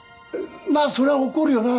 まあそれは怒るよな